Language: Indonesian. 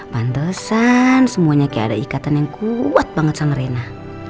pantesan semuanya kayak ada ikatan yang kuat banget sama rena